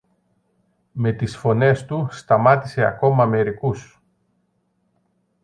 Με τις φωνές του σταμάτησε ακόμα μερικούς.